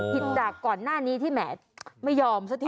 ผิดจากก่อนหน้านี้ที่แหมไม่ยอมสักที